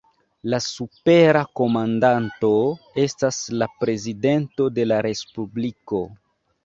La supera komandanto estas la prezidento de la Respubliko.